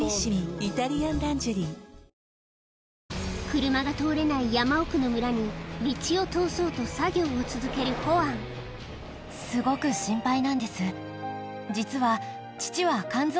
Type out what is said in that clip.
車が通れない山奥の村に道を通そうと作業を続けるホアン実は。にするでしょう。